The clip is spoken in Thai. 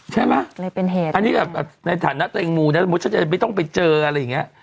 ใช่มั้ยอันนี้แบบในฐานะเตรงหมู่ไม่ต้องไปเจออะไรอย่างเงี้ย